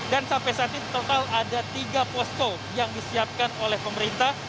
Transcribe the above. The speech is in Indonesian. dan sampai saat ini total ada tiga posko yang disiapkan oleh pemerintah